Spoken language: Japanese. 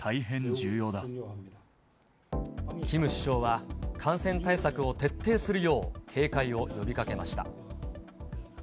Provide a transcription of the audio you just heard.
キム首相は、感染対策を徹底するよう、警戒を呼びかけました。